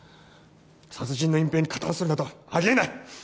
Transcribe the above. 殺人の隠蔽に加担するなどありえない！